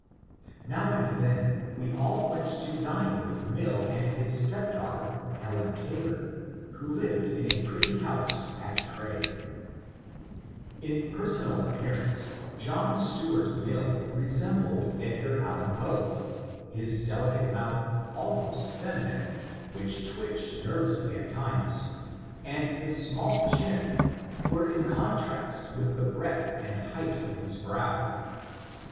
Now and then we all went to dine with Mill and his stepdaughter, Helen Taylor, who lived in a pretty house at Cray. •6^ 16 . MONCURE DANIEL CONWAY In personal appearance John Stuart Mill resembled Edgar A. Poe. His delicate mouth, almost feminine, — which twitched nervously at times, — and the small chin, were in contrast wit}v the breadth and height of his brow.